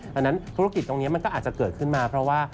ดังนั้นธุรกิจตรงนี้มันก็อาจจะเกิดขึ้นมาเพราะว่า